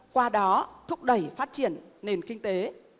qua đó thúc đẩy phát triển nền kinh tế